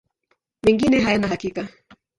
Mengine hayana hakika.